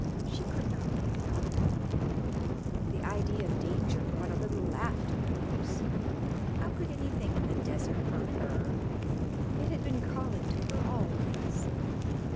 She could not give it up. The idea of danger brought a little laugh to her lips. How could anything in the desert hurt her? It had been calling to her always.